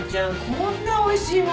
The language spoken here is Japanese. こんなおいしい物